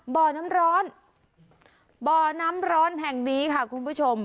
บ่อน้ำร้อนบ่อน้ำร้อนแห่งนี้ค่ะคุณผู้ชม